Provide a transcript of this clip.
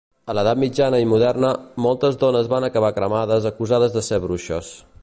A l'edat mitjana i moderna, moltes dones van acabar cremades acusades de ser bruixes.